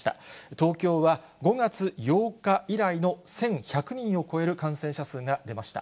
東京は５月８日以来の１１００人を超える感染者数が出ました。